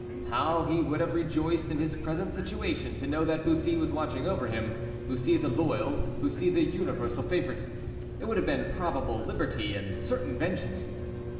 How he would have rejoiced in his present situation, to know that Bussy was watching over him; Bussy the loyal, Bussy the universal favorite. It would have been probable liberty and certain vengeance.